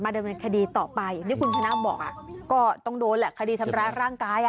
ดำเนินคดีต่อไปอย่างที่คุณชนะบอกก็ต้องโดนแหละคดีทำร้ายร่างกาย